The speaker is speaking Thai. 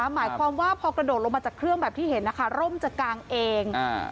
หมายความว่าพอกระโดดลงมาจากเครื่องแบบที่เห็นนะคะร่มจะกางเอง